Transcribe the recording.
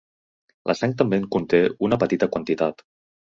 La sang també en conté una petita quantitat.